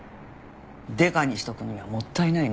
デカにしておくにはもったいないね。